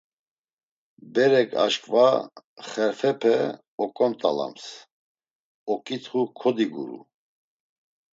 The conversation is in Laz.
Berek aşǩva xerfepe oǩont̆alams, oǩitxu kodiguru.